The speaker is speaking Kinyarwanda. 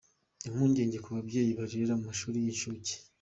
Impungenge ko babyeyi barerera mu mashuri y’inshuke